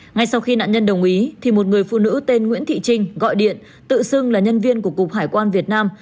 ngay sau khi nạn nhân đồng ý thì một người phụ nữ tên nguyễn thị trinh gọi điện tự xưng là nhân viên của cục hải quan việt nam